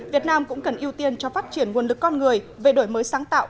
việt nam cũng cần ưu tiên cho phát triển nguồn lực con người về đổi mới sáng tạo